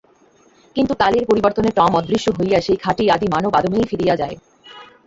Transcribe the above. কিন্তু কালের পরিবর্তনে টম অদৃশ্য হইয়া সেই খাঁটি আদি মানব আদমেই ফিরিয়া যায়।